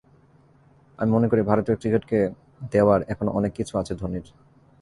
আমি মনে করি, ভারতীয় ক্রিকেটকে দেওয়ার এখনো অনেক কিছু আছে ধোনির।